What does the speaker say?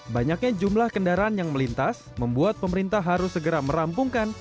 banyaknya jumlah kendaraan yang melintas membuat pemerintah harus segera merampungkan